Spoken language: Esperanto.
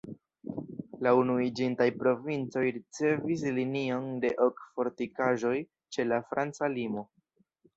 La Unuiĝintaj Provincoj ricevis linion de ok fortikaĵoj ĉe la franca limo.